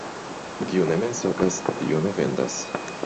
Kiu ne mensogas, tiu ne vendas.